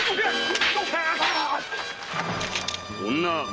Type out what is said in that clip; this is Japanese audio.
女。